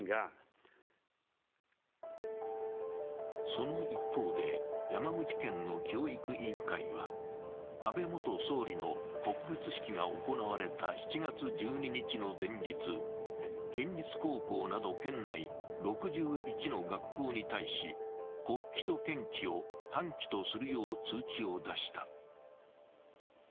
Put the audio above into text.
その一方で、山口県の教育委員会は、安倍元総理の告別式が行われた７月１２日の前日、県立高校など県内６１の学校に対し国旗と県旗を半旗とするよう通知を出した。